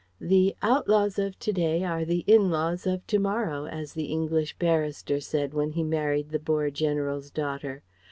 "'The outlaws of to day are the in laws of to morrow,' as the English barrister said when he married the Boer general's daughter.